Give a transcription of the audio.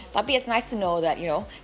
tapi itu bagus untuk tahu bahwa